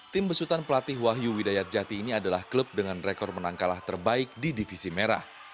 tim besutan pelatih wahyu widayat jati ini adalah klub dengan rekor menang kalah terbaik di divisi merah